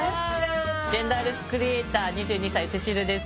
ジェンダーレスクリエイター２２歳聖秋流です。